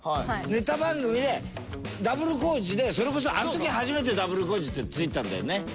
ネタ番組でＷコージでそれこそあの時初めてＷコージって付いたんだよね？